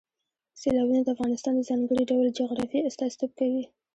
سیلابونه د افغانستان د ځانګړي ډول جغرافیه استازیتوب کوي.